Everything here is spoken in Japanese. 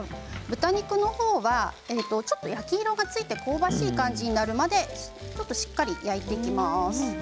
豚肉の方はちょっと焼き色がついて香ばしい感じになるまでしっかり焼いていきます。